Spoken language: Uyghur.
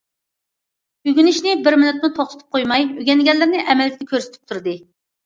ئۆگىنىشنى بىر مىنۇتمۇ توختىتىپ قويماي، ئۆگەنگەنلىرىنى ئەمەلىيىتىدە كۆرسىتىپ تۇردى.